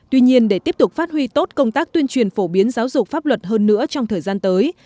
tuy nhiên để tiếp tục phát huy tốt công tác tuyên truyền phổ biến giáo dục pháp luật hơn nữa trong thời gian tới